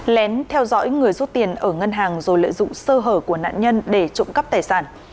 lén theo dõi người rút tiền ở ngân hàng rồi lợi dụng sơ hở của nạn nhân để trộm cắp tài sản